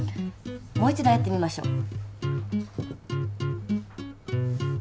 もう一度やってみましょう。